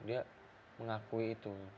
dia mengakui itu